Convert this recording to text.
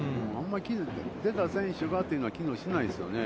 出た選手がというのは機能しないんですよね。